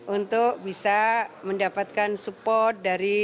untuk bisa mendapatkan support dari